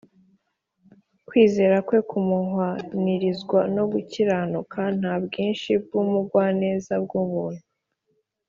kwizera kwe kumuhwanirizwa no gukiranuka; Nta bwinshi bw'ubugwaneza bw'umuntu